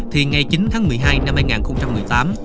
thì ngày chín tháng một mươi hai năm hai nghìn một mươi tám